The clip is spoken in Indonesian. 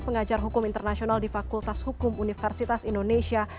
pengajar hukum internasional di fakultas hukum universitas indonesia